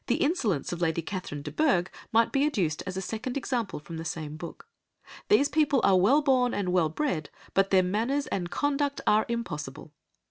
'" The insolence of Lady Catherine de Bourgh might be adduced as a second example from the same book. These people are well born and well bred, but their manners and conduct are impossible.